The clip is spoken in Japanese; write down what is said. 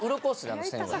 あの線は。